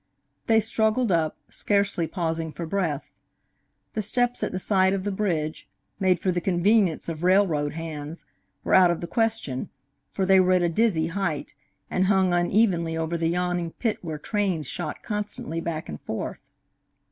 They struggled up, scarcely pausing for breath. The steps at the side of the bridge, made for the convenience of railroad hands, were out of the question, for they were at a dizzy height, and hung unevenly over the yawning pit where trains shot constantly back and forth.